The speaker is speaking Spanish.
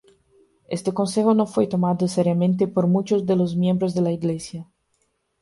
Este consejo no fue tomado seriamente por muchos de los miembros de la iglesia.